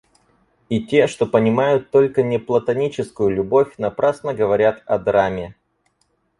И те, что понимают только неплатоническую любовь, напрасно говорят о драме.